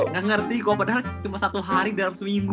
gak ngerti kok padahal cuma satu hari dalam seminggu